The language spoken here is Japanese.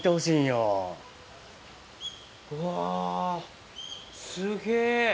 うわすげぇ。